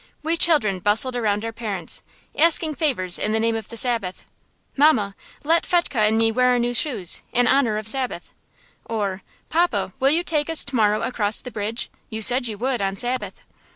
We children bustled around our parents, asking favors in the name of the Sabbath "Mama, let Fetchke and me wear our new shoes, in honor of Sabbath"; or "Papa, will you take us to morrow across the bridge? You said you would, on Sabbath."